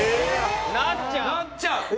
なっちゃん！